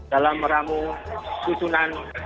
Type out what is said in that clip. dalam meramu susunan